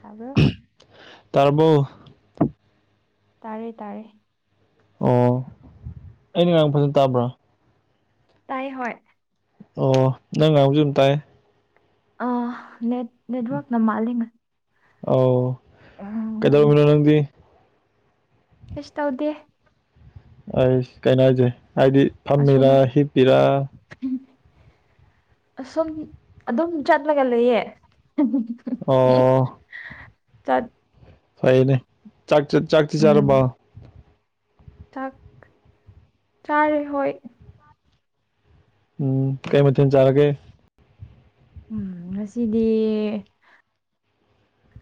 ꯇꯥꯕ꯭ꯔꯣ ꯇꯥꯔꯕꯣ ꯇꯥꯔꯦ ꯇꯥꯔꯦ ꯑꯣ ꯑꯩꯅ ꯉꯥꯡ ꯐꯖꯟ ꯇꯥꯕ꯭ꯔꯥ ꯇꯥꯏ ꯍꯣꯏ ꯑꯣ ꯅꯪ ꯉꯥꯡꯕꯁꯨ ꯑꯗꯨꯝ ꯇꯥꯏꯌꯦ ꯑ ꯅꯦꯠ ꯅꯦꯠꯋꯔꯛ ꯅ ꯃꯥꯜꯂꯤꯉ ꯑꯧ ꯎꯝ ꯀꯩꯗꯧꯔꯝꯃꯤꯅꯣ ꯅꯪꯗꯤ ꯀꯩꯁꯨ ꯇꯧꯗꯦ ꯑꯩꯁ ꯀꯩꯅꯣ ꯍꯥꯏꯖꯦ ꯍꯥꯏꯗꯤ ꯑꯁꯨꯝ ꯐꯝꯃꯤꯔꯥ ꯍꯤꯞꯄꯤꯔꯥ ꯑꯁꯨꯝ ꯑꯗꯨꯝ ꯆꯠꯂꯒ ꯂꯩꯌꯦ ꯑꯣ ꯆꯠ ꯐꯩꯅꯦ ꯆꯥꯛ ꯆꯥꯛꯇꯤ ꯎꯝ ꯆꯥꯔꯕꯣ ꯆꯥꯛ ꯆꯥꯔꯦ ꯍꯣꯏ ꯎꯝ ꯀꯩ ꯃꯊꯦꯜ ꯆꯥꯔꯒꯦ ꯎꯝ ꯉꯁꯤꯗꯤ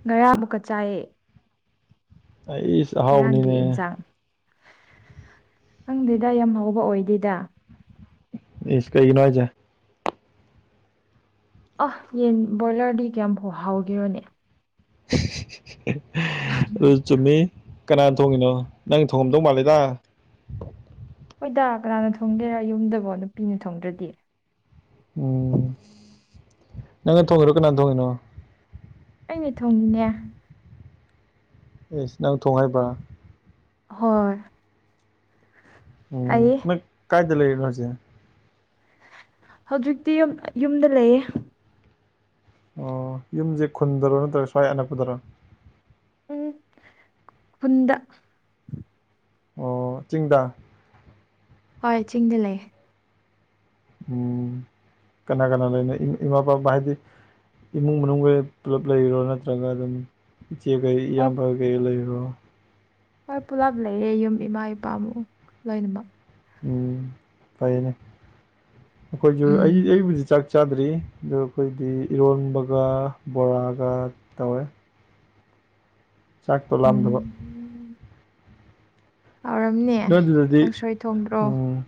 ꯉꯔꯥꯕꯨꯀ ꯆꯥꯏꯌꯦ ꯑꯩ ꯉꯔꯥꯡꯒꯤ ꯏꯟꯖꯥꯡ ꯈꯪꯗꯦꯗ ꯌꯥꯝ ꯍꯥꯎꯕ ꯑꯣꯏꯗꯦꯗ ꯏꯁ ꯀꯩꯒꯤꯅꯣ ꯍꯥꯏꯖꯦ ꯑꯥ ꯌꯦꯟ ꯕꯣꯏꯂꯔꯗꯤ ꯀꯌꯥꯝꯕꯤ ꯍꯥꯎꯒꯦꯔꯣꯅꯦ ꯑꯗꯨꯏ ꯆꯨꯝꯃꯦꯍꯦ ꯀꯅꯥꯟ ꯊꯣꯡꯉꯤꯅꯣ ꯅꯪ ꯊꯣꯡꯉꯝꯗꯧ ꯃꯥꯜꯂꯦꯗ ꯍꯣꯏꯗ ꯀꯅꯥꯅ ꯊꯣꯡꯒꯦꯔ ꯌꯨꯝꯗꯕꯣ ꯅꯨꯄꯤꯅ ꯊꯣꯡꯗ꯭ꯔꯗꯤ ꯎꯝ ꯅꯪꯅ ꯊꯣꯡꯉꯤꯔꯣ ꯀꯅꯥꯅ ꯊꯣꯡꯉꯤꯅꯣ ꯑꯩꯅ ꯊꯣꯡꯉꯤꯅꯦ ꯏꯁ ꯅꯪ ꯊꯣꯡ ꯍꯩꯕꯥ ꯍꯣꯏ ꯎꯝ ꯍꯥꯏꯌꯦ ꯅꯪ ꯀꯥꯏꯗ ꯂꯩꯔꯤꯅꯣ ꯍꯖꯤꯛ ꯍꯧꯖꯤꯛꯇꯤ ꯌꯨꯝ ꯌꯨꯝꯗ ꯂꯩꯌꯦ ꯑꯣ ꯌꯨꯝꯁꯦ ꯈꯨꯟꯗꯔꯣ ꯅꯠꯇ꯭ꯔꯒ ꯁ꯭ꯋꯥꯏ ꯑꯅꯛꯄꯗꯔꯥ ꯎꯝ ꯈꯨꯟꯗ ꯑꯣ ꯆꯤꯡꯗ ꯍꯣꯏ ꯆꯤꯡꯗ ꯂꯩꯌꯦ ꯎꯝ ꯀꯅꯥ ꯀꯅꯥ ꯂꯩꯅꯣ ꯏ ꯏꯃꯥ ꯄꯕꯥ ꯍꯥꯏꯗꯤ ꯏꯃꯨꯡ ꯃꯅꯨꯡꯒꯩ ꯄꯨꯜꯂꯞ ꯂꯩꯔꯤꯔꯣ ꯅꯠꯇ꯭ꯔꯒ ꯑꯗꯨꯝ ꯏꯆꯦ ꯀꯩ ꯍꯣꯏ ꯏꯌꯥꯝꯕ ꯀꯩ ꯂꯩꯔꯤꯔꯣ ꯍꯣꯏ ꯄꯨꯂꯞ ꯂꯩꯌꯦ ꯌꯨꯝ ꯏꯃꯥ ꯏꯄꯥꯃꯨ ꯂꯣꯏꯅꯃꯛ ꯎꯝ ꯐꯩꯌꯦꯅꯦ ꯑꯩꯈꯣꯏꯁꯨ ꯑꯩ ꯎꯝ ꯑꯩꯕꯨꯗꯤ ꯆꯥꯛ ꯆꯥꯗ꯭ꯔꯤ ꯗꯣ ꯈꯣꯏꯗꯤ ꯏꯔꯣꯟꯕꯒ ꯕꯣꯔꯥꯒ ꯇꯧꯋꯦ ꯆꯥꯛꯇꯣ ꯎꯝ ꯂꯥꯝꯗꯕ ꯍꯥꯎꯔꯝꯅꯤ ꯅꯣꯏ ꯑꯗꯨꯗꯗꯤ ꯎꯝ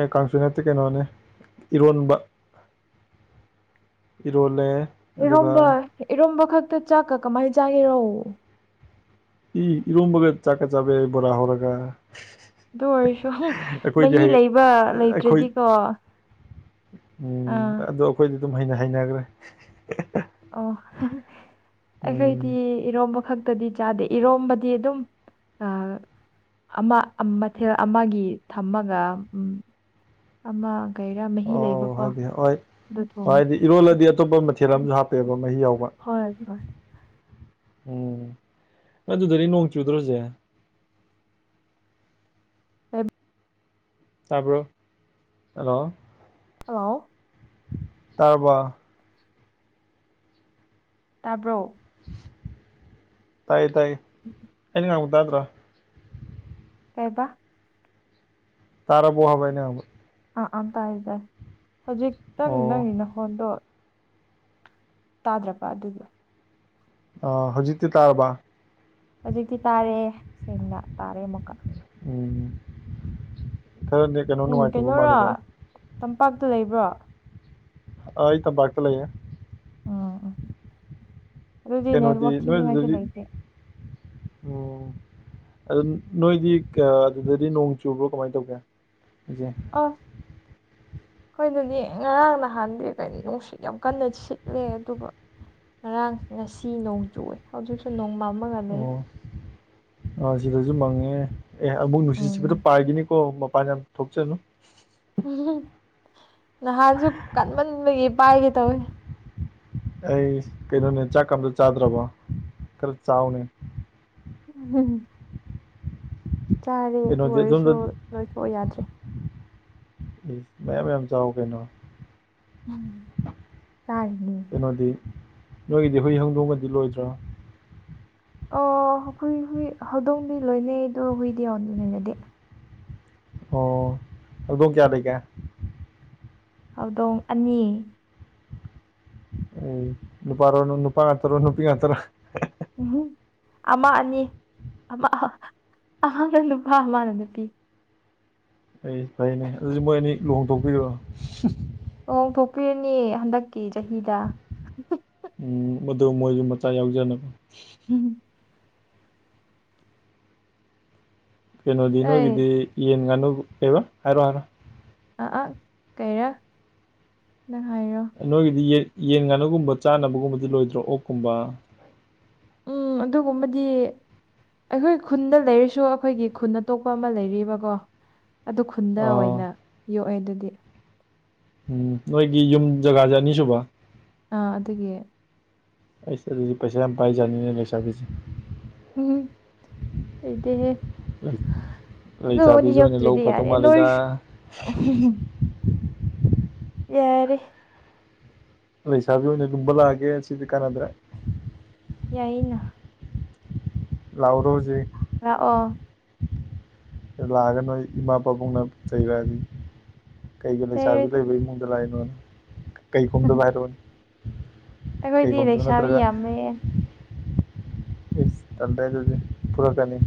ꯑꯦ ꯀꯥꯡꯁꯨꯨ ꯅꯠꯇꯦ ꯀꯩꯅꯣꯅꯦ ꯏꯔꯣꯟꯕ ꯏꯔꯣꯜꯂꯦ ꯑꯗꯨꯒ ꯏꯔꯣꯝꯕ ꯏꯔꯣꯝꯕ ꯈꯛꯇ ꯆꯥꯛꯀ ꯀꯃꯥꯏ ꯆꯥꯒꯦꯔꯣ ꯎꯝ ꯏꯔꯣꯝꯕꯒ ꯆꯥꯛꯀ ꯆꯥꯕ ꯌꯥꯏ ꯕꯣꯔꯥ ꯍꯧꯔꯒ ꯗꯨ ꯑꯣꯏꯔꯁꯨ ꯑꯩꯈꯣꯏꯗꯤ ꯃꯍꯤ ꯍꯌꯦ ꯂꯩꯕ ꯑꯩꯈꯣꯏ ꯂꯩꯇ꯭ꯔꯗꯤꯀꯣ ꯑꯥ ꯎꯝ ꯑꯗꯣ ꯑꯩꯈꯣꯏꯗꯤ ꯑꯗꯨꯝ ꯍꯩꯅ ꯍꯩꯅꯈ꯭ꯔꯦ ꯑꯣ ꯑꯁ ꯑꯩꯗꯤ ꯎꯝ ꯏꯔꯣꯝꯕ ꯈꯛꯇꯗꯤ ꯆꯥꯗꯦ ꯏꯔꯣꯝꯕꯗꯤ ꯑꯗꯨꯝ ꯑꯥ ꯑꯃ ꯃꯊꯦꯜ ꯑꯃꯒꯤ ꯊꯝꯃꯒꯤ ꯎꯝ ꯑꯃ ꯀꯩꯔꯥ ꯃꯍꯤ ꯑꯣ ꯑꯣ ꯂꯩꯕꯀꯣ ꯍꯥꯏꯗꯤ ꯍꯣꯏ ꯑꯗꯨ ꯍꯣꯏ ꯊꯣꯡꯉꯤ ꯍꯥꯏꯗꯤ ꯏꯔꯣꯜꯂꯗꯤ ꯑꯇꯣꯞꯄ ꯃꯊꯦꯜ ꯑꯝꯁꯨ ꯍꯥꯞꯄꯦꯕ ꯃꯍꯤ ꯌꯥꯎꯕ ꯍꯣꯏ ꯑꯗꯨ ꯍꯣꯏ ꯎꯝ ꯑꯗꯨꯗꯗꯤ ꯅꯣꯡ ꯆꯨꯗ꯭ꯔꯁꯦ ꯇꯥꯕ꯭ꯔꯣ ꯍꯜꯂꯣ ꯍꯜꯂꯥꯎ ꯇꯥꯔꯕꯣ ꯇꯥꯕ꯭ꯔꯣ ꯇꯥꯏꯌꯦ ꯇꯥꯏꯌꯦ ꯑꯩꯅ ꯉꯥꯡ ꯇꯥꯗ꯭ꯔꯣ ꯀꯩꯕꯥ ꯇꯔꯥ ꯕꯣ ꯍꯥꯥꯏꯕ ꯑꯩꯅꯥ ꯉꯥꯡꯕ ꯑꯥ ꯑꯥ ꯇꯥꯏꯌꯦ ꯇꯥꯏꯏꯌꯦ ꯍꯧꯖꯤꯛꯛꯇꯪ ꯑꯣ ꯅꯪꯒꯤ ꯅꯈꯣꯟꯗꯣ ꯇꯥꯗ꯭ꯔꯕ ꯑꯗꯨꯒꯤ ꯑꯣ ꯍꯧꯖꯤꯛꯇꯤ ꯇꯥꯔꯕ ꯍꯧꯖꯤꯛꯇꯤ ꯇꯥꯔꯦ ꯁꯦꯡꯅ ꯇꯥꯔꯦ ꯑꯃꯨꯛꯀ ꯎꯝ ꯈꯔꯅꯤꯛ ꯎꯝ ꯀꯩꯅꯣꯔꯣ ꯇꯝꯄꯥꯛꯇ ꯂꯩꯕ꯭ꯔꯣ ꯑꯥ ꯑꯩ ꯇꯝꯄꯥꯛꯇ ꯂꯩꯌꯦ ꯎꯝ ꯎꯝ ꯑꯗꯨꯗꯤ ꯅꯦꯠꯋꯥꯛ ꯊꯤꯅꯤꯉꯤꯏꯁꯨ ꯂꯩꯇꯦ ꯑꯣ ꯑꯗꯨ ꯅꯣꯏꯗꯤ ꯑꯥ ꯑꯗꯨꯗꯗꯤ ꯅꯣꯡ ꯆꯨꯕ꯭ꯔꯣ ꯀꯃꯥꯏꯅ ꯇꯧꯒꯦ ꯍꯧꯖꯤꯛ ꯑꯥ ꯑꯩꯈꯣꯏꯗꯗꯤ ꯉꯔꯥꯡ ꯅꯍꯥꯟꯗꯤ ꯀꯔꯤꯅꯣ ꯅꯨꯡꯁꯤꯠ ꯌꯥꯝ ꯀꯟꯅ ꯁꯤꯠꯂꯦ ꯑꯗꯨꯒ ꯉꯔꯥꯡ ꯉꯁꯤ ꯅꯣꯡ ꯆꯨꯋꯦ ꯍꯖꯤꯛꯁꯨ ꯅꯣꯡ ꯃꯝꯃꯒ ꯂꯩꯌꯦ ꯑꯥ ꯁꯤꯗꯁꯨ ꯃꯪꯉꯦ ꯑꯦ ꯑꯃꯨꯛ ꯅꯨꯡꯁꯤꯠ ꯎꯝ ꯁꯤꯠꯄꯗ ꯄꯥꯏꯒꯤꯅꯤꯀꯣ ꯃꯄꯥꯟ ꯌꯥꯝ ꯊꯣꯛꯆꯅꯨ ꯅꯍꯥꯟꯁꯨ ꯀꯟꯃꯟꯕꯒꯤ ꯄꯥꯏꯒꯦ ꯇꯧꯋꯦ ꯑꯩꯁ ꯀꯩꯅꯣꯅꯦ ꯆꯥꯛꯀ ꯑꯃꯇ ꯆꯥꯗ꯭ꯔꯥꯕꯣ ꯈꯔ ꯆꯥꯎꯅꯦ [unintelligible] ꯆꯥꯔꯦ ꯑꯗꯨ ꯀꯩꯅꯣꯗꯤ ꯑꯣꯏꯔꯁꯨ ꯑꯗꯣꯝꯗ ꯅꯣꯏꯊꯣꯛꯑꯣ ꯌꯥꯗ꯭ꯔꯦ ꯏꯁ ꯃꯌꯥꯝ ꯃꯌꯥꯝ ꯆꯥꯎ ꯀꯩꯅꯣ ꯎꯝ ꯆꯥꯔꯅꯤ ꯀꯩꯅꯣꯗꯤ ꯅꯣꯏꯒꯤꯗꯤ ꯍꯨꯏ ꯍꯧꯗꯣꯡꯒꯗꯤ ꯂꯣꯏꯗ꯭ꯔꯣ ꯑꯣ ꯍꯨꯏ ꯍꯨꯏ ꯍꯧꯗꯣꯡꯗꯤ ꯂꯣꯏꯅꯩ ꯑꯗꯣ ꯍꯨꯏꯗꯤ ꯌꯣꯟ ꯂꯣꯏꯅꯗꯦ ꯑꯣ ꯍꯧꯗꯣꯡ ꯀꯌꯥ ꯂꯩꯒꯦ ꯍꯧꯗꯣꯡ ꯑꯅꯤ ꯑꯦ ꯅꯨꯄꯥꯔꯣ ꯅꯨꯄꯥ ꯉꯥꯛꯇꯔꯣ ꯅꯨꯄꯤ ꯉꯥꯛꯇꯔꯣ ꯎꯝꯍꯨꯝ ꯑꯃ ꯑꯅꯤ ꯑꯃ ꯑꯃꯅ ꯅꯨꯄꯥ ꯑꯃꯅ ꯅꯨꯄꯤ ꯑꯩ ꯐꯔꯦꯅꯦ ꯑꯗꯨꯗꯤ ꯃꯣꯏ ꯑꯅꯤ ꯂꯨꯍꯣꯡꯊꯣꯛꯄꯤꯔꯣ ꯂꯨꯍꯣꯡꯊꯣꯛꯄꯤꯔꯅꯤ ꯍꯟꯗꯛꯀꯤ ꯆꯍꯤꯗ ꯎꯝ ꯃꯗꯣ ꯃꯣꯏꯖꯨ ꯃꯆꯥ ꯌꯥꯎꯖꯅꯕ [unintelligible] ꯀꯩꯅꯣꯗꯤ ꯅꯣꯏꯒꯤꯗꯤ ꯑꯩ ꯌꯦꯟ ꯉꯥꯅꯨ ꯂꯩꯕ꯭ꯔꯥ ꯍꯥꯏꯔꯛꯑꯣ ꯍꯥꯏꯔꯛꯑꯣ ꯑꯥ ꯑꯥ ꯀꯩꯔꯥ ꯅꯪ ꯍꯥꯏꯔꯣ ꯅꯣꯏꯒꯤꯗꯤ ꯌꯦ ꯌꯦꯟ ꯉꯥꯅꯨꯒꯨꯝꯕ ꯆꯥꯅꯕꯒꯨꯝꯕꯗꯤ ꯂꯣꯏꯗ꯭ꯔꯣ ꯑꯣꯛꯀꯨꯝꯕ ꯎꯝ ꯑꯗꯨꯒꯨꯝꯕꯗꯤ ꯑꯩꯈꯣꯏ ꯈꯨꯟꯗ ꯂꯩꯔꯁꯨ ꯑꯩꯈꯣꯏꯒꯤ ꯈꯨꯟ ꯑꯇꯣꯞꯄ ꯑꯃ ꯂꯩꯔꯤꯕꯀꯣ ꯑꯗꯨ ꯈꯨꯟꯗ ꯑ ꯑꯣꯏꯅ ꯌꯣꯛꯑꯦ ꯑꯗꯨꯗꯤ ꯎꯝ ꯅꯣꯏꯒꯤ ꯌꯨꯝ ꯖꯒꯥꯁꯦ ꯑꯅꯤꯁꯨꯕ꯭ꯔꯥ ꯑꯥ ꯑꯗꯨꯒꯤ ꯑꯩꯁ ꯑꯗꯨꯗꯤ ꯄꯩꯁꯥ ꯌꯥꯝ ꯄꯥꯏꯖꯥꯠꯅꯤꯅꯦ ꯂꯩꯁꯥꯕꯤꯁꯦ ꯎꯝꯍꯨꯝ ꯂꯩꯇꯦꯍꯦ ꯑꯗꯨꯕꯨꯗꯤ ꯂꯩꯁꯥꯕꯤꯁꯦ ꯑꯣꯏꯅ ꯂꯧ ꯌꯣꯛꯇ꯭ꯔꯥꯗꯤ ꯐꯗꯧ ꯌꯥꯔꯦ ꯃꯥꯜꯂꯦꯗ ꯅꯣꯏꯁ ꯌꯥꯔꯦ ꯂꯩꯁꯥꯕꯤ ꯑꯣꯏꯅ ꯂꯨꯝꯕ ꯂꯥꯛꯑꯥꯒꯦ ꯁꯤꯗꯤ ꯀꯥꯟꯅꯗ꯭ꯔꯦ ꯌꯥꯏꯑꯦꯅ ꯂꯥꯛꯎꯔꯣ ꯍꯨꯖꯤꯛ ꯂꯥꯛꯑꯣ ꯂꯥꯛꯑꯒ ꯅꯣꯏ ꯏꯃꯥ ꯄꯥꯕꯨꯡꯅ ꯆꯩꯔꯛꯑꯗꯤ ꯀꯩꯒꯤ ꯂꯩꯁꯥꯕꯤ ꯆꯩꯔꯣꯏꯗ ꯂꯩꯕ ꯏꯃꯨꯡꯗ ꯂꯥꯛꯏꯅꯣꯅ ꯀꯩ ꯈꯨꯝꯗꯣꯕ ꯍꯥꯏꯔꯛꯑꯣꯅꯦ ꯀꯩ ꯑꯩꯈꯣꯏꯗꯤ ꯈꯣꯝꯗꯕ ꯂꯩꯁꯥꯕꯤ ꯅꯠꯇ꯭ꯔꯒ ꯌꯥꯝꯃꯦ ꯏꯁ ꯇꯜꯂꯦ ꯑꯗꯨꯗꯤ ꯐꯨꯔꯛꯀꯅꯤ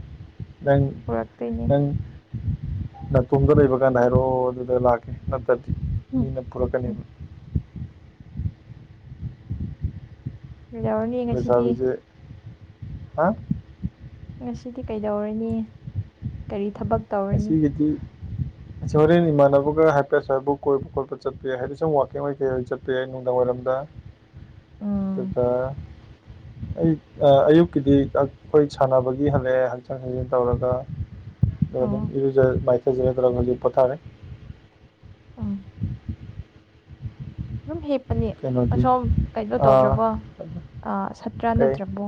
ꯅꯪ ꯄꯨꯔꯛꯇꯣꯏꯅꯦ ꯅꯪ ꯅꯥꯇꯣꯝꯗ ꯂꯩꯕ ꯀꯥꯟꯗ ꯍꯥꯏꯔꯣ ꯑꯗꯨꯗ ꯂꯥꯛꯀꯦ ꯅꯠꯇꯗꯤ [inaudible] ꯐꯨꯔꯛꯀꯅꯤ ꯍꯝ. ꯌꯧꯔꯅꯤ ꯂꯩꯁꯥꯕꯤꯖꯦ ꯍꯥ ꯉꯁꯤꯗꯤ ꯀꯩꯗꯧꯔꯅꯤ ꯀꯔꯤ ꯊꯕꯛ ꯇꯧꯔꯅꯤ ꯉꯁꯤꯒꯤꯗꯤ [inaudible] ꯑꯁꯤ ꯍꯣꯔꯦꯟ ꯏꯃꯥꯟꯅꯕꯒ ꯍꯥꯏꯐꯦꯠ ꯑꯁ꯭ꯋꯥꯢꯚꯧ ꯀꯣꯏꯕ ꯈꯣꯠꯄ ꯆꯠꯄ ꯌꯥꯏ ꯍꯥꯏꯗꯤ ꯁꯨꯝ ꯋꯥꯀꯤꯡ ꯑꯣꯏ ꯀꯩ ꯑꯣꯢ ꯆꯠꯄ ꯌꯥꯏ ꯅꯨꯡꯗꯥꯡꯋꯥꯏꯔꯝꯗ [inaudible] ꯎꯝ ꯑꯗꯨꯒ ꯑꯩ ꯑꯌꯨꯛꯀꯤꯗꯤ ꯑꯈꯣꯏ ꯁꯥꯟꯅꯕꯒꯤ ꯍꯜꯂꯛꯑꯦ ꯍꯛꯆꯥꯡ ꯁꯥꯖꯦꯟ ꯇꯧꯔꯒ ꯑꯣ [unintelligible] ꯏꯔꯨꯖꯔ ꯃꯥꯏꯊꯖꯔ ꯇꯧꯔꯒ ꯄꯣꯊꯥꯔꯦ ꯎꯝ ꯑꯗꯨꯝ ꯍꯤꯞꯄꯅꯤ ꯀꯩꯅꯣꯗꯤ ꯑꯁꯣꯝ ꯀꯩꯅꯣ ꯑ ꯇꯧꯗ꯭ꯔꯕꯣ ꯁꯠꯇ꯭ꯔꯥ ꯀꯩ ꯅꯠꯇ꯭ꯔꯥꯕꯣ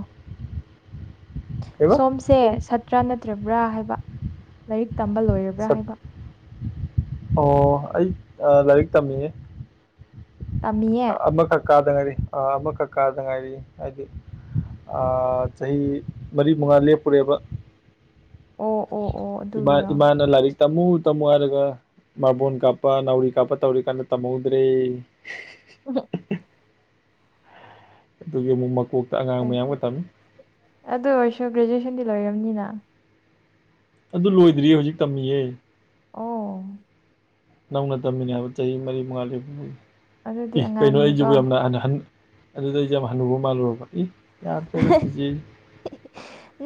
ꯀꯩꯕ ꯁꯣꯝꯁꯦ ꯁꯥꯠꯇ꯭ꯔꯥ ꯅꯠꯇ꯭ꯔꯥꯕ꯭ꯔꯥ ꯍꯥꯏꯕ ꯂꯥꯏꯔꯤꯛ ꯇꯝꯕ ꯂꯣꯏꯔꯕ꯭ꯔꯥ ꯁꯠ ꯍꯥꯏꯕ ꯑꯣ ꯑꯩ ꯂꯥꯏꯔꯤꯛ ꯇꯝꯃꯤꯌꯦ ꯇꯝꯃꯤꯌꯦ ꯑꯃꯈꯛ ꯀꯥꯗ ꯉꯥꯏꯔꯤ ꯑꯥ ꯑꯃꯈꯛ ꯀꯥꯗ ꯉꯥꯏꯔꯤ ꯍꯥꯏꯗꯤ ꯑꯥ ꯆꯍꯤ ꯃꯔꯤ ꯃꯉꯥ ꯂꯦꯞꯄꯨꯔꯦꯕ ꯑꯣ ꯑꯣ ꯑꯣ ꯏꯃꯥ ꯑꯗꯨꯒꯤꯔꯣ ꯏꯃꯥꯅ ꯂꯥꯢꯔꯤꯛ ꯇꯝꯃꯨ ꯇꯝꯃꯨ ꯍꯥꯏꯔꯒ ꯃꯥꯔꯕꯣꯟ ꯀꯥꯞꯄ ꯅꯥꯎꯔꯤ ꯀꯥꯞꯄ ꯇꯧꯔꯤꯀꯥꯟꯗ ꯇꯝꯍꯧꯗ꯭ꯔꯦ [inaudible] ꯑꯗꯨꯒꯤ ꯑꯃꯨꯛ ꯃꯀꯣꯛꯇ ꯑꯉꯥꯡ ꯃꯌꯥꯝꯒ ꯇꯝꯃꯤ ꯑꯗꯨ ꯑꯣꯏꯁꯨ ꯒ꯭ꯔꯦꯖꯨꯋꯦꯁꯟꯗꯤ ꯂꯣꯢꯔꯝꯅꯤꯅ ꯑꯗꯨ ꯂꯣꯏꯗ꯭ꯔꯤ ꯍꯧꯖꯤꯛ ꯇꯝꯃꯤꯌꯦ ꯑꯣ ꯅꯧꯅ ꯇꯝꯃꯤꯅꯦ ꯍꯥꯏꯕ ꯆꯍꯤ ꯃꯔꯤ ꯃꯉꯥ ꯂꯦꯄꯨꯔꯒꯤ ꯑꯗꯨꯗꯤ ꯏ ꯀꯩꯅꯣ ꯑꯩꯖꯤꯕꯣ ꯑꯉꯥꯡꯅꯤꯀꯣ ꯌꯥꯝꯅ ꯑꯍꯟ ꯑꯗꯨꯗ ꯑꯩꯖꯦ ꯌꯥꯝ ꯍꯅꯨꯕ ꯃꯥꯜꯂꯨꯔꯕ ꯏ ꯌꯥꯗꯦꯗꯥ ꯆꯤꯆꯦꯖꯤ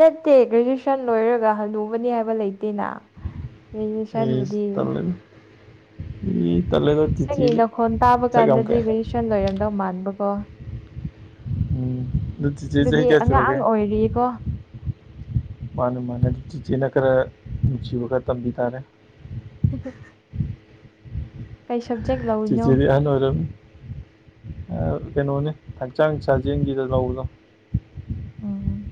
ꯅꯠꯇꯦ ꯒ꯭ꯔꯦꯖꯨꯑꯦꯁꯟ ꯂꯣꯏꯔꯒ ꯍꯟꯅꯨꯕꯅꯤ ꯍꯥꯏꯕ ꯂꯩꯇꯦꯅ ꯑꯩ ꯒ꯭ꯔꯦꯖꯨꯑꯦꯁꯟꯕꯨꯗꯤ ꯇꯜꯂꯦꯗ ꯏ ꯇꯜꯂꯦꯗ ꯅꯪꯒꯤ ꯆꯤꯆꯦꯁꯦ ꯅꯈꯣꯟ ꯇꯥꯕ ꯁꯛ ꯌꯥꯝ ꯀꯥꯟꯗꯗꯤ ꯀꯛꯑꯦ ꯒ꯭ꯔꯦꯖꯨꯋꯦꯁꯟ ꯂꯣꯏꯔꯝꯗꯧ ꯃꯥꯟꯕꯀꯣ ꯎꯝ ꯑꯗꯨ ꯆꯤꯆꯦ ꯑꯗꯨꯗꯤ ꯆꯍꯤ ꯀꯌꯥ ꯁꯨꯔꯒꯦ ꯑꯉꯥꯡ ꯑꯣꯏꯔꯤꯀꯣ ꯃꯥꯅꯦ ꯃꯥꯅꯦ ꯑꯗꯨ ꯆꯤꯆꯦꯅ ꯈꯔ ꯅꯨꯡꯁꯤꯕ ꯈꯔ ꯇꯝꯕꯤ ꯇꯥꯔꯦ [unintelligible] ꯀꯩ ꯁꯕꯖꯦꯛ ꯂꯧ ꯆꯤꯆꯦꯗꯤ ꯑꯍꯟ ꯑꯣꯏꯔꯝ ꯑꯥ ꯀꯩꯅꯣꯅꯦ ꯍꯛꯆꯥꯡ ꯁꯥꯖꯦꯟꯒꯤꯗ ꯂꯧꯕꯗꯣ ꯎꯝ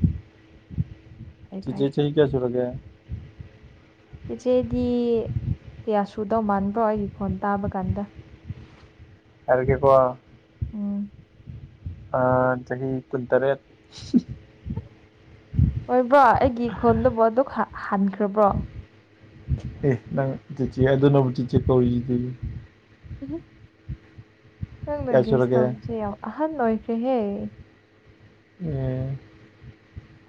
ꯐꯩ ꯆꯤꯆꯦ ꯐꯩ ꯆꯍꯤ ꯀꯌꯥ ꯁꯨꯔꯒꯦ ꯆꯤꯆꯦꯗꯤ ꯀꯌꯥ ꯁꯨꯗꯧ ꯃꯥꯟꯕ꯭ꯔꯣ ꯑꯩꯒꯤ ꯈꯣꯟ ꯇꯥꯕ ꯀꯥꯟꯗ ꯍꯥꯏꯔꯒꯦꯀꯣ ꯎꯝ ꯑꯥ ꯆꯍꯤ ꯀꯨꯟꯇꯔꯦꯠ ꯑꯣꯏꯕꯥ ꯑꯩꯒꯤ ꯏꯈꯣꯟꯗꯨꯕꯨ ꯑꯗꯨꯛ ꯍꯥ ꯍꯥꯟꯈ꯭ꯔꯥꯕ꯭ꯔꯣ ꯑꯦ ꯅꯪ ꯆꯤꯆꯦ ꯑꯗꯨꯅꯕꯨ ꯆꯤ ꯆꯦ ꯀꯧꯔꯤꯖꯤꯗꯤ [unintelligible] ꯅꯪꯅ ꯀꯌꯥ ꯒꯦꯁ ꯁꯨꯔꯒꯦ ꯑꯦ ꯇꯧꯕꯁꯦ ꯌꯥꯝ ꯑꯍꯟ ꯑꯣꯏꯈ꯭ꯔꯦꯍꯦ ꯎꯝ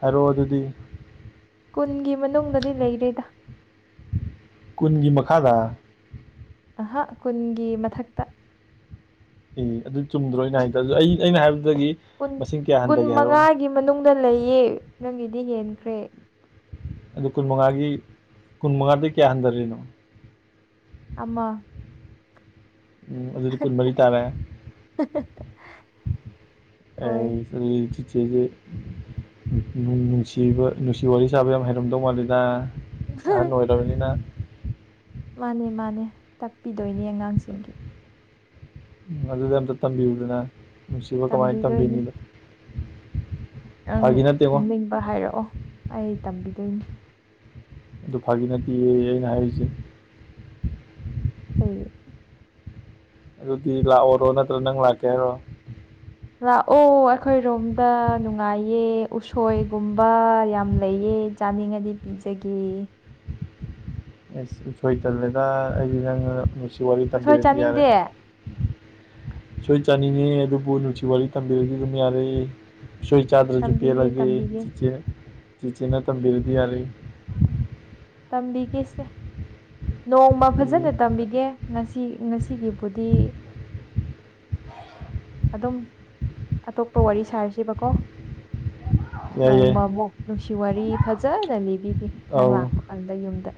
ꯍꯥꯏꯔꯣ ꯑꯗꯨꯗꯤ ꯀꯨꯟꯒꯤ ꯃꯅꯨꯡꯗꯗꯤ ꯂꯩꯔꯦꯗ ꯀꯨꯟꯒꯤ ꯃꯈꯥꯗ ꯑꯍꯥ ꯀꯨꯟꯒꯤ ꯃꯊꯛꯇ ꯑꯦ ꯑꯗꯨ ꯆꯨꯝꯗ꯭ꯔꯣ ꯑꯩꯅ ꯍꯥꯏꯗꯣ ꯑꯗꯨ ꯑꯩ ꯑꯩꯅ ꯍꯥꯏꯕꯗꯨꯗꯒꯤ ꯀꯨꯟ ꯀꯨꯟ ꯃꯉꯥꯒꯤ ꯃꯅꯨꯡꯗ ꯂꯩꯌꯦ ꯅꯪꯒꯤꯗꯤ ꯍꯦꯟꯈ꯭ꯔꯦ ꯑꯗꯨ ꯀꯨꯟ ꯃꯉꯥꯒꯤ ꯀꯨꯟ ꯃꯉꯥꯗꯩ ꯀꯌꯥ ꯍꯟꯗꯔꯤꯅꯣ ꯑꯃ ꯎꯝ ꯑꯗꯨꯗꯤ ꯀꯨꯟ ꯃꯔꯤ ꯇꯥꯔꯦ ꯍꯣꯏ ꯑꯦ ꯑꯗꯨꯗꯤ ꯆꯤꯆꯦꯖꯦ ꯅꯨꯡ ꯅꯨꯡꯁꯤꯕ ꯅꯨꯡꯁꯤ ꯋꯥꯔꯤ ꯁꯥꯕ ꯌꯥꯝ ꯍꯩꯔꯝꯗꯧ ꯃꯥꯜꯂꯤꯗ ꯑꯍꯟ ꯑꯣꯏꯔꯕꯅꯤꯅ ꯃꯥꯅꯦ ꯃꯥꯅꯦ ꯇꯥꯛꯄꯤꯗꯣꯏꯅꯦ ꯑꯉꯥꯡꯁꯤꯡꯒꯤ ꯑꯗꯨꯗꯤ ꯑꯝꯇ ꯇꯝꯕꯤꯌꯨꯗꯅ ꯅꯨꯡꯁꯤꯕ ꯀꯃꯥꯏ ꯇꯝꯕꯤꯗꯣꯏꯅꯤ ꯇꯝꯕꯤꯅꯤꯗꯣ ꯑꯪ ꯐꯥꯒꯤ ꯅꯠꯇꯦꯉꯣ ꯃꯤꯡꯄ ꯍꯥꯏꯔꯛꯑꯣ ꯑꯩ ꯇꯝꯕꯤꯗꯣꯏꯅꯦ ꯑꯗꯨ ꯐꯥꯒꯤ ꯅꯠꯇꯤꯌꯦꯌꯦ ꯑꯩꯅ ꯍꯥꯏꯔꯤꯖꯦ ꯀꯩ ꯑꯗꯨꯗꯤ ꯂꯥꯛꯑꯣꯔꯣ ꯅꯠꯇ꯭ꯔ ꯅꯪ ꯂꯥꯛꯀꯦ ꯍꯥꯏꯔꯣ ꯂꯥꯛꯑꯣ ꯑꯩꯈꯣꯏ ꯔꯣꯝꯗ ꯅꯨꯡꯉꯥꯏꯌꯦ ꯎꯁꯣꯏꯒꯨꯝꯕ ꯌꯥꯝ ꯂꯩꯌꯦ ꯆꯥꯅꯤꯡꯉꯗꯤ ꯄꯤꯖꯒꯦ ꯑꯩꯁ ꯎꯁꯣꯏ ꯇꯜꯂꯦꯗ ꯑꯩꯗꯤ ꯅꯪꯅ ꯅꯨꯡꯁꯤ ꯋꯥꯔꯤ ꯎꯁꯣꯏ ꯇꯝꯕꯤꯔꯗꯤ ꯌꯥꯔꯦ ꯆꯥꯅꯤꯡꯗꯦ ꯎꯁꯣꯏ ꯆꯥꯅꯤꯡꯉꯦ ꯑꯗꯨꯕꯨ ꯅꯨꯡꯁꯤ ꯋꯥꯔꯤ ꯇꯝꯕꯤꯔꯗꯤ ꯑꯗꯨꯝ ꯌꯥꯔꯦ ꯎꯁꯨꯣꯏ ꯆꯥꯗ꯭ꯔꯖꯨ ꯇꯝꯕꯤꯒꯦ ꯄꯦꯜꯂꯒꯦ ꯇꯝꯕꯤꯒꯦ ꯆꯤꯆꯦ ꯆꯤꯆꯦꯅ ꯇꯝꯕꯤꯔꯗꯤ ꯌꯥꯔꯦ ꯇꯝꯕꯤꯒꯦꯁꯦ ꯅꯣꯡꯃ ꯐꯖꯅ ꯇꯝꯕꯤꯒꯦ ꯉꯁꯤ ꯉꯁꯤꯒꯤꯕꯨꯗꯤ ꯑꯗꯨꯝ ꯑꯇꯣꯞꯄ ꯋꯥꯔꯤ ꯁꯥꯔꯁꯤꯕꯀꯣ ꯌꯥꯏ ꯌꯥꯏ ꯅꯣꯡꯃ ꯃꯨꯛ ꯅꯨꯡꯁꯤ ꯋꯥꯔꯤ ꯐꯖꯅ ꯂꯤꯕꯤꯒꯦ ꯅꯪ ꯑꯧ ꯂꯥꯛꯄ ꯀꯥꯟꯗ ꯌꯨꯝꯗ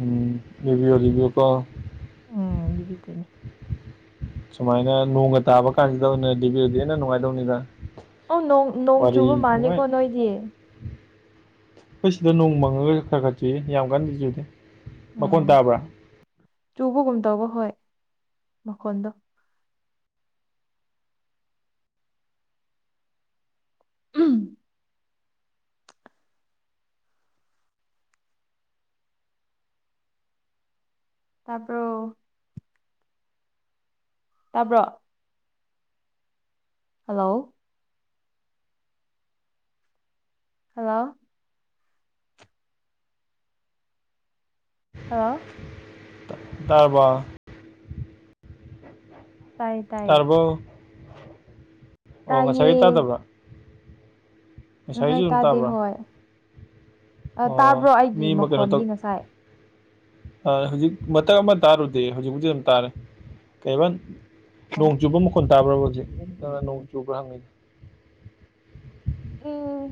ꯎꯝ ꯂꯤꯕꯤꯌꯣ ꯂꯤꯕꯤꯌꯣꯀꯣ ꯎꯝ ꯂꯤꯕꯤꯗꯣꯏꯅꯦ ꯁꯨꯃꯥꯏꯅ ꯅꯣꯡꯒ ꯇꯥꯕ ꯀꯥꯟꯁꯤꯗ ꯑꯣꯏꯅ ꯂꯤꯕꯤꯔꯗꯤ ꯍꯦꯟꯅ ꯅꯨꯡꯉꯥꯏꯗꯧꯅꯤꯗ ꯑꯣ ꯅꯣꯡ ꯅꯣꯡ ꯆꯨꯕ ꯃꯥꯅꯤꯀꯣ ꯅꯣꯏꯗꯤ ꯈꯣꯏ ꯁꯤꯗ ꯅꯣꯡ ꯃꯪꯉꯒ ꯈꯔ ꯈꯔ ꯆꯨꯏꯌꯦ ꯌꯥꯝ ꯀꯟꯗꯤ ꯆꯨꯗꯦ ꯃꯈꯣꯟ ꯎꯝ ꯇꯥꯕ꯭ꯔꯥ ꯆꯨꯕꯒꯨꯝ ꯇꯧꯕ ꯍꯣꯏ ꯃꯈꯣꯟꯗꯣ ꯇꯥꯕ꯭ꯔꯣ ꯇꯥꯕ꯭ꯔꯣ ꯍꯜꯂꯣ ꯍꯜꯂꯣ ꯍꯦꯜꯂꯣ ꯇꯥꯔ꯭ꯕꯣ ꯇꯥꯏꯌꯦ ꯇꯥꯏꯌꯦ ꯇꯥꯔꯕꯣ ꯑꯣ ꯇꯥꯏꯌꯦ ꯉꯁꯥꯏꯒꯤ ꯇꯥꯗꯕ꯭ꯔ ꯉꯁꯥꯏ ꯉꯁꯥꯏꯒꯤꯁꯨ ꯑꯗꯨꯝ ꯇꯥꯗꯦ ꯇꯥꯕ꯭ꯔ ꯍꯣꯏ ꯑꯣ ꯇꯥꯕ꯭ꯔꯣ ꯃꯤ ꯑꯩꯒꯤ ꯑꯃ ꯀꯩꯅꯣ ꯇꯧ ꯃꯈꯣꯟꯗꯤ ꯉꯁꯥꯏ ꯍꯧꯖꯤꯛ ꯃꯊꯛ ꯑꯃ ꯇꯥꯔꯨꯗꯦ ꯍꯧꯖꯤꯛꯄꯨꯗꯤ ꯑꯗꯨꯝ ꯇꯥꯔꯦ ꯀꯩ ꯑꯦꯕ ꯅꯣꯡ ꯆꯨꯕ ꯃꯈꯣꯜ ꯇꯥꯕ꯭ꯔꯕ ꯍꯧꯖꯤꯛ ꯅꯪꯅ ꯅꯣꯡ ꯆꯨꯕ꯭ꯔ ꯍꯪꯉꯤꯗꯣ ꯎꯝ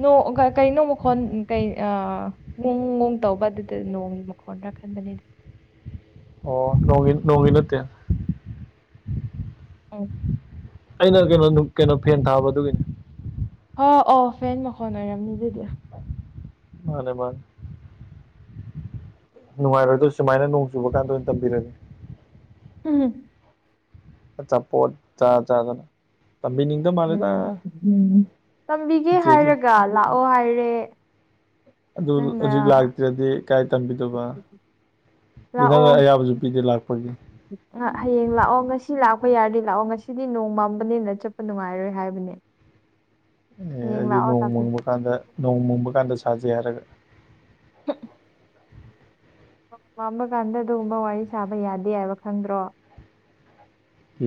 ꯅꯣꯡ ꯀꯩꯅꯣ ꯃꯈꯣꯜ ꯀꯩ ꯉꯣꯡ ꯉꯣꯡ ꯇꯧꯕ ꯑꯗꯨꯗ ꯅꯣꯡ ꯃꯈꯣꯜ ꯈꯟꯕꯅꯤꯗ ꯑꯣ ꯅꯣꯡ ꯅꯣꯡꯗꯤ ꯅꯠꯇꯦ ꯎꯝ ꯑꯩꯅ ꯀꯩꯅꯣ ꯀꯩꯅꯣ ꯐꯦꯟ ꯊꯥꯕ ꯑꯗꯨꯒꯤꯅꯤ ꯑꯣ ꯑꯣ ꯐꯦꯟ ꯃꯈꯣꯜ ꯑꯣꯏꯔꯝꯅꯤ ꯑꯗꯨꯗꯤ ꯃꯥꯅꯦ ꯃꯥꯅꯦ ꯅꯨꯡꯉꯥꯏꯔꯣꯏꯗꯣ ꯁꯨꯃꯥꯏꯅ ꯅꯣꯡ ꯆꯨꯕ ꯀꯥꯟꯗ ꯑꯣꯏꯅ ꯇꯝꯕꯤꯔꯒꯦ ꯎꯝ ꯑꯆꯥ ꯄꯣꯠ ꯆꯥ ꯆꯥꯗꯅ ꯇꯝꯕꯤꯅꯤꯡꯏ ꯎꯝ ꯎꯝ ꯇꯝꯕꯤꯒꯦ ꯆꯤꯆꯦꯁꯦ ꯍꯥꯏꯔꯒ ꯂꯥꯛꯑꯣ ꯍꯥꯏꯔꯦ ꯑꯗꯨ ꯅꯪꯅ ꯍꯧꯖꯤꯛ ꯂꯥꯛꯇ꯭ꯔꯗꯤ ꯀꯥꯏ ꯇꯝꯕꯤꯗꯧꯕ ꯑꯗꯨ ꯅꯪ ꯂꯥꯛꯑꯣ ꯑꯌꯥꯕꯁꯨ ꯄꯤꯗꯦ ꯂꯥꯛꯄꯒꯤ ꯍꯌꯦꯡ ꯂꯥꯛꯑꯣ ꯉꯁꯤ ꯂꯥꯛꯄ ꯌꯥꯔꯗꯤ ꯂꯥꯛꯑꯣ ꯉꯁꯤꯗꯤ ꯅꯣꯡ ꯄꯥꯟꯕꯅꯤꯅ ꯆꯠꯄ ꯅꯨꯡꯉꯥꯏꯔꯣꯏ ꯍꯥꯏꯕꯅꯦ ꯑꯦ ꯍꯌꯦꯡ ꯑꯩꯗꯤ ꯂꯥꯛꯑꯣ ꯅꯣꯡ ꯃꯪꯕ ꯇꯥꯛꯄꯤꯒꯦ ꯀꯥꯟꯗ ꯅꯣꯡ ꯃꯪꯕ ꯀꯥꯟꯗ ꯁꯥꯁꯤ ꯍꯥꯏꯔꯒ ꯅꯣꯡ ꯃꯪꯕ ꯀꯥꯟꯗ ꯑꯗꯨꯒꯨꯝꯕ ꯋꯥꯔꯤ ꯁꯥꯕ ꯌꯥꯗꯦ ꯍꯥꯏꯕ ꯈꯪꯗ꯭ꯔꯣ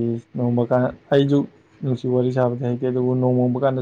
ꯏꯁ ꯅꯣꯡ ꯀꯥꯟꯗ ꯑꯩꯁꯨ ꯅꯨꯡꯁꯤ ꯋꯥꯔꯤ ꯁꯥꯕꯗꯤ ꯍꯩꯇꯦ ꯑꯗꯨꯕꯨ ꯅꯣꯡ ꯃꯪꯕ ꯀꯥꯟꯗ